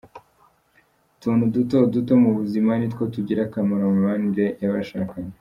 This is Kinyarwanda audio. Utuntu duto duto mu buzima nitwo tugira akamaro mu mibanire y’abashakanye.